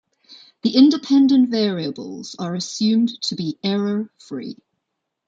The independent variables are assumed to be error-free.